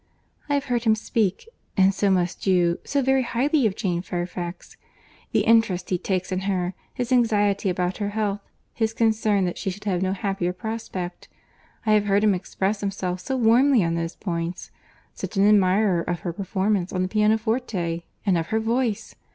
I have heard him speak, and so must you, so very highly of Jane Fairfax! The interest he takes in her—his anxiety about her health—his concern that she should have no happier prospect! I have heard him express himself so warmly on those points!—Such an admirer of her performance on the pianoforte, and of her voice!